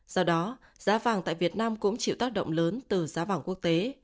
do đó giá vàng tại việt nam cũng chịu tác động lớn từ giá vàng quốc tế